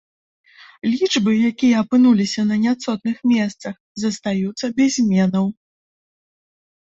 Лічбы, якія апынуліся на няцотных месцах, застаюцца без зменаў.